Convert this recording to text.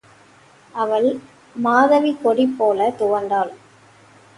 அவள் மாதவிக்கொடிபோலத் துவண்டாள்.